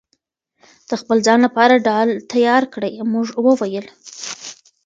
د خپل ځان لپاره ډال تيار کړئ!! مونږ وويل: